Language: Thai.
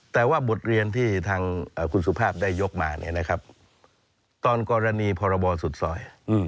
แต่ว่าบทเรียนที่ทางคุณสุภาพได้ยกมาตอนกรณีพรบสุดซอย